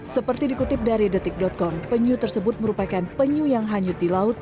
seperti dikutip dari detik com penyu tersebut merupakan penyu yang hanyut di laut